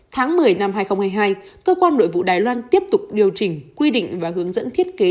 tháng một mươi năm hai nghìn hai mươi hai cơ quan nội vụ đài loan tiếp tục điều chỉnh quy định và hướng dẫn thiết kế